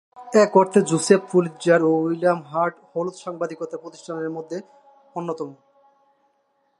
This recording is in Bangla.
এক অর্থে জোসেফ পুলিৎজার ও উইলিয়াম হার্স্ট হলুদ সাংবাদিকতার প্রতিষ্ঠাতাদের মধ্যে অন্যতম।